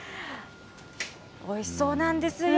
おいしそうなんですよ。